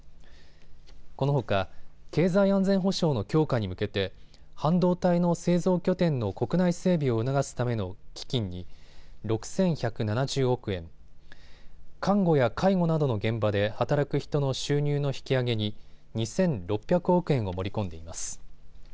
このほか経済安全保障の強化に向けて半導体の製造拠点の国内整備を促すための基金に６１７０億円、看護や介護などの現場で働く人の収入の引き上げに２６００億円を盛り込んでいます。